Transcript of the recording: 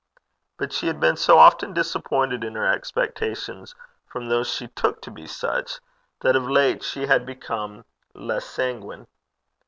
But she had been so often disappointed in her expectations from those she took to be such, that of late she had become less sanguine.